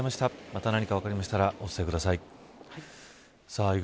また何か分かりましたらお伝えください。